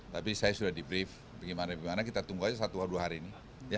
tapi saya sudah debrief bagaimana bagaimana kita tunggu saja satu hari ini